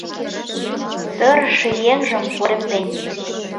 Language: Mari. Сырыше еҥжым поремден